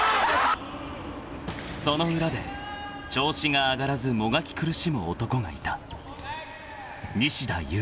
［その裏で調子が上がらずもがき苦しむ男がいた］